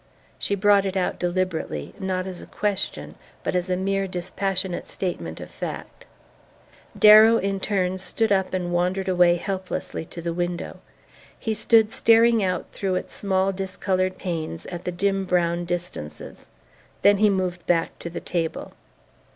She brought it out deliberately, not as a question, but as a mere dispassionate statement of fact. Darrow in turn stood up and wandered away helplessly to the window. He stood staring out through its small discoloured panes at the dim brown distances; then he moved back to the table.